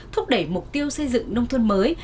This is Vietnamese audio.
thúc đẩy mục tiêu xây dựng nông thôn mới